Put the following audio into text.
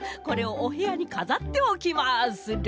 これをおへやにかざっておきます。